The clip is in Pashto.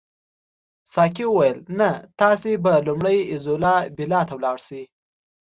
ساقي وویل نه تاسي به لومړی ایزولا بیلا ته ولاړ شئ.